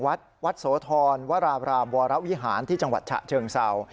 วัดวัดโสธรวราบรามวรวิหารที่จังหวัดฉะเชิงเศร้า